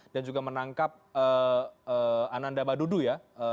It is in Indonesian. dan juga menangkap ananda badudu ya